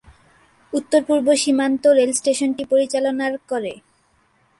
উত্তর-পূর্ব সীমান্ত রেল স্টেশনটি পরিচালনার করে।